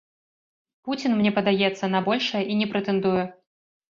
Пуцін, мне падаецца, на большае і не прэтэндуе.